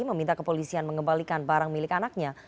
meminta kepolisian mengembalikan barang milik anaknya